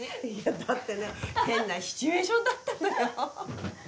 だって変なシチュエーションだったのよ。